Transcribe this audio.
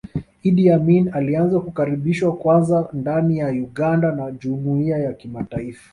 Idi Amin alianza kukaribishwa kwanza ndani ya Uganda na jumuiya ya kimataifa